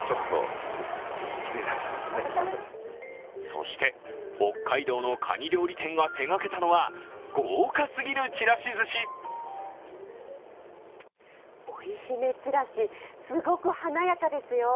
そして、北海道のかに料理店が手がけたのは、豪華すぎるちらしずし織姫ちらし、すごく華やかですよ。